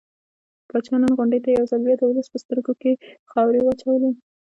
پاچا نن غونډې ته يو ځل بيا د ولس په سترګو کې خاورې واچولې.